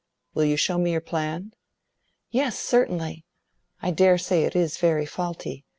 "Will you show me your plan?" "Yes, certainly. I dare say it is very faulty.